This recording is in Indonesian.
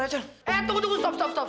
eh tunggu tunggu stop stop stop